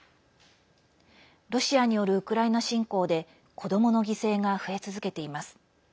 ロシアによるウクライナ侵攻で子どもの犠牲が増え続けています。